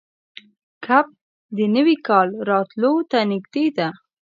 کب د نوي کال راتلو ته نږدې ده.